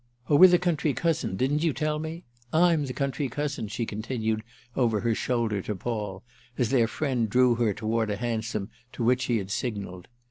"Or with a country cousin, didn't you tell me? I'm the country cousin!" she continued over her shoulder to Paul as their friend drew her toward a hansom to which he had signalled.